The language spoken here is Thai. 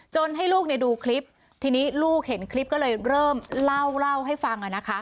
ให้ลูกดูคลิปทีนี้ลูกเห็นคลิปก็เลยเริ่มเล่าเล่าให้ฟัง